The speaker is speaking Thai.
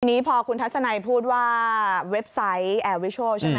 ทีนี้พอคุณทัศนัยพูดว่าเว็บไซต์แอร์วิชัลใช่ไหม